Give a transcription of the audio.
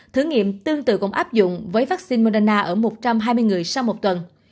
thử nghiệm tương tự cũng áp dụng với vaccine moderna ở một trăm hai mươi người sau một tuần